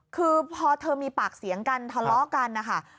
คือพอเธอมีปากเสียงกันทะเลาะกันนะคะ